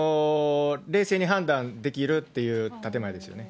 冷静に判断できるっていう建て前ですよね。